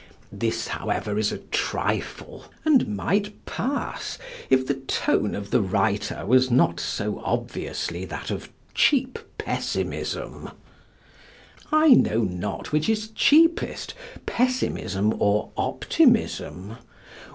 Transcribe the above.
This, however, is a trifle, and might pass if the tone of the writer was not so obviously that of cheap pessimism. I know not which is cheapest, pessimism or optimism.